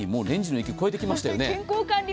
レンジの域、超えてきましたよね。